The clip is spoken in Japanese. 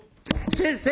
「先生！